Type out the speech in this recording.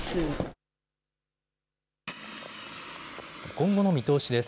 今後の見通しです。